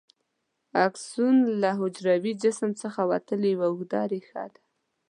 اکسون له حجروي جسم څخه وتلې یوه اوږده رشته ده.